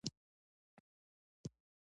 ورته د ابوغوث په نامه یو جومات جوړ کړی.